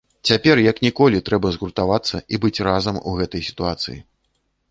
Цяпер як ніколі трэба згуртавацца і быць разам у гэтай сітуацыі.